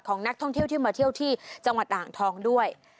นักท่องเที่ยวที่มาเที่ยวที่จังหวัดอ่างทองด้วย